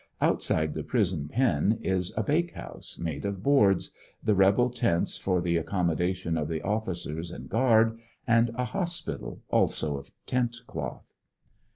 Outside the prison pen is a bake house, made of boards, the rebel tents for the accommodation of the officers and guard, and a hos pital also of tent cloth.